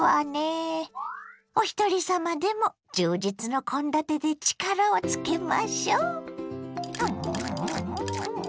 おひとり様でも充実の献立で力をつけましょ。